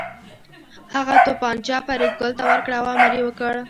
هغه توپانچه فریدګل ته ورکړه او امر یې وکړ